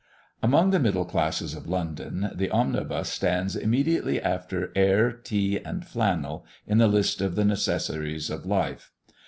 Among the middle classes of London, the omnibus stands immediately after air, tea, and flannel, in the list of the necessaries of life.